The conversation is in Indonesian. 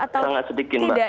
pasti sangat sedikit mbak